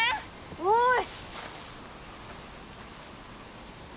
おい。